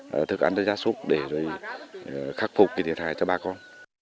và thức ăn ra giá súc để khắc phục thiệt hại cho bác con